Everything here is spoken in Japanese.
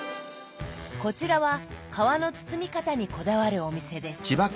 こちらは皮の包み方にこだわるお店です。